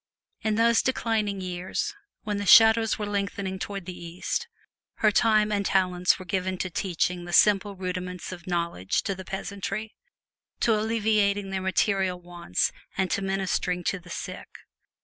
In those declining days, when the shadows were lengthening toward the east, her time and talents were given to teaching the simple rudiments of knowledge to the peasantry, to alleviating their material wants and to ministering to the sick.